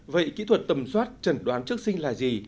vậy kỹ thuật tầm soát trần đoán trước sinh là gì